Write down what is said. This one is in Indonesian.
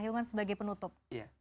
ahilman sebagai penutup